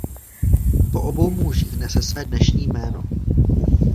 Po obou mužích nese své dnešní jméno.